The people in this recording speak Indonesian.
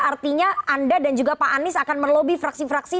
artinya anda dan juga pak anies akan melobi fraksi fraksi